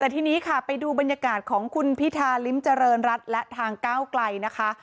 แต่ทีนี้ค่ะไปดูบรรยากาศของคุณพิธาริมเจริญรัฐและทางก้าวไกลนะคะ